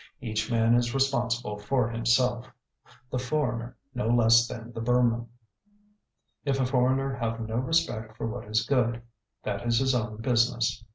Each man is responsible for himself, the foreigner no less than the Burman. If a foreigner have no respect for what is good, that is his own business.